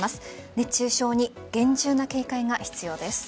熱中症に厳重な警戒が必要です。